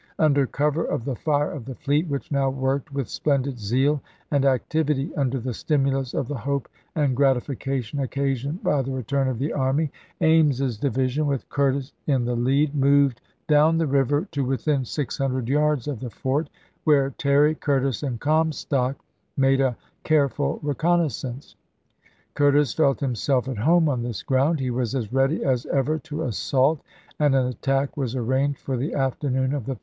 Under cover of the fire of the fleet, which now worked with splendid zeal and activity under the stimulus of the hope and grati fication occasioned by the return of the army, Ames's division, with Curtis in the lead, moved Vol.X.— 5 66 ABRAHAM LINCOLN chap. in. down the river to within six hundred yards of the fort, where Terry, Curtis, and Comstock made a careful reconnaissance. Curtis felt himself at home on this ground ; he was as ready as ever to assault, and an attack was arranged for the afternoon of Jan.